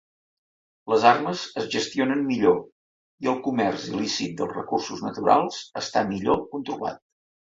Les armes es gestionen millor, i el comerç il·lícit dels recursos naturals està millor controlat.